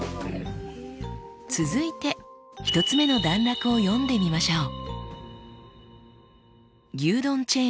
続いて１つ目の段落を読んでみましょう。